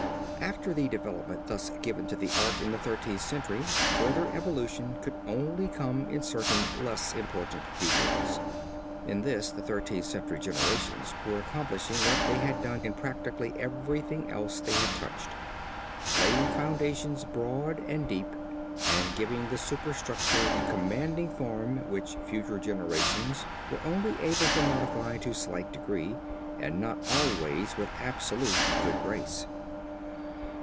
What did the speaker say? After the development thus given to the art in the Thirteenth Century further evolution could only come in certain less important details. In this the Thirteenth Century generations were accomplishing what they had done in practically everything else that they touched, laying foundations broad and deep and giving the superstructure the commanding form which future generations were only able to modify to slight degree and not always with absolute good grace.